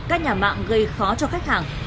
các nhà mạng gây khó cho khách hàng